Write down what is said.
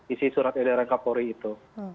isi surat edaran nk polri itu